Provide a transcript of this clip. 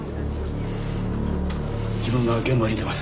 自分が現場に出ます。